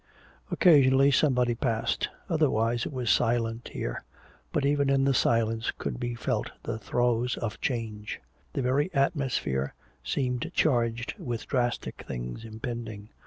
Occasionally somebody passed. Otherwise it was silent here. But even in the silence could be felt the throes of change; the very atmosphere seemed charged with drastic things impending.